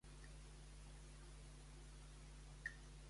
Qui instaurarà el trajecte seguir?